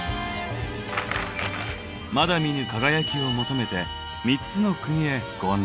まだ見ぬ輝きを求めて３つの国へご案内します。